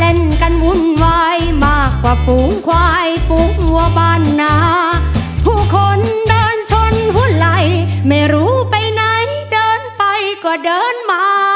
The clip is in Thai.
ดนตรีเนี่ยน่าจะไปถึงนครสวรรค์แล้ว